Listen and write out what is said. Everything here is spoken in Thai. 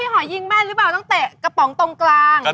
หอยยิงแม่นหรือเปล่าต้องเตะกระป๋องตรงกลาง